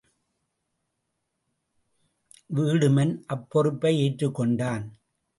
வீடுமன் அப்பொறுப்பை ஏற்றுக் கொண்டான்.